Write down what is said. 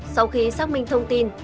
sau khi xác minh thông tin